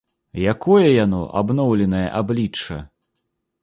Якое яно, абноўленае аблічча?